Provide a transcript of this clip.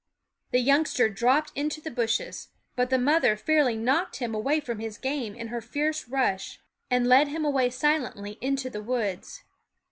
The youngster dropped into the bushes ; but the mother fairly knocked him away from his game in her fierce rush, and led him away silently into the woods.